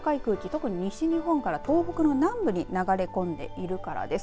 特に西日本から東北の南部に流れ込んでいるからです。